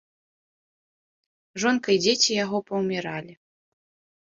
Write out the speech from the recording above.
Жонка і дзеці яго паўміралі.